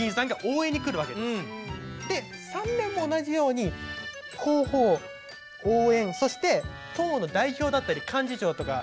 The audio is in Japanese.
で３連も同じように候補応援そして党の代表だったり幹事長とか。